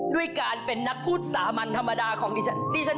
ของท่านได้เสด็จเข้ามาอยู่ในความทรงจำของคน๖๗๐ล้านคนค่ะทุกท่าน